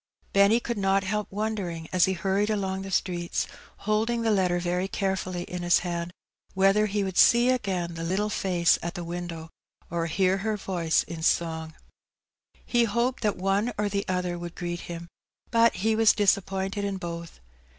Benny could not help wondering, as he hurried along the streets, holding the letter very carefully in his hand, whether he would see again the little face at the window A Glimpse op Paradise. J 49 or hear her voice in song. He hoped that one or the other would greet him; but he was disappointed in both.